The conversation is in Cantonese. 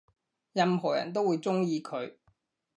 任何人都會鍾意佢